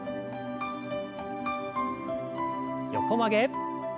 横曲げ。